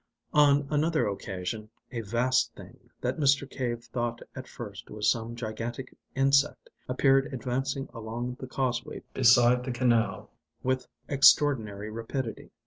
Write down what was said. On another occasion a vast thing, that Mr. Cave thought at first was some gigantic insect, appeared advancing along the causeway beside the canal with extraordinary rapidity.